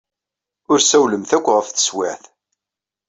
Ur ssawalemt akk ɣef teswiɛt.